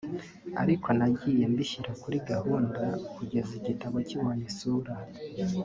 ariko nagiye mbishyira kuri gahunda kugeza igitabo kibonye isura